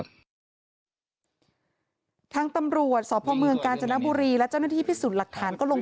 ตำรวจสพเมืองกาญจนบุรีและเจ้าหน้าที่พิสูจน์หลักฐานก็ลง